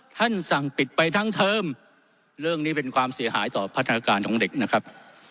สั่งปิดไปทั้งเทอมเรื่องนี้เป็นความเสียหายต่อพัฒนาการของเด็กนะครับ